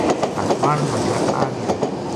آسمان ما جھڑ آگیو